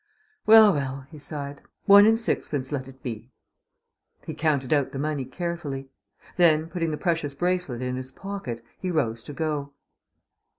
"Well, well," he sighed. "One and sixpence let it be." He counted out the money carefully. Then, putting the precious bracelet in his pocket, he rose to go.